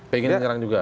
pengen nyerang juga